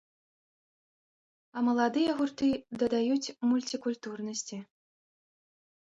А маладыя гурты дадаюць мульцікультуральнасці.